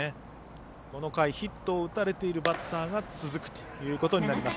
この回ヒットを打たれているバッターが続くということになります。